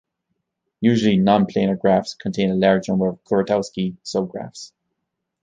Usually, non-planar graphs contain a large number of Kuratowski-subgraphs.